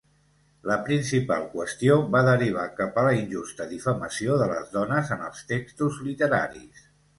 La principal qüestió va derivar cap a la injusta difamació de les dones en els textos literaris.